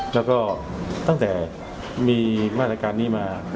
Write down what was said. แล้วก็ตั้งแต่มีมาตรการนี้มา